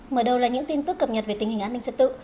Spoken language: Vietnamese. mở đầu là những tin tức cập nhật về tình hình an ninh trật tự